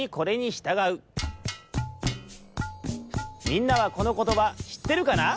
みんなはこのことばしってるかな？